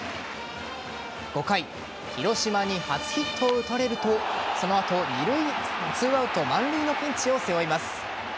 ５回広島に初ヒットを打たれるとその後２アウト満塁のピンチを背負います。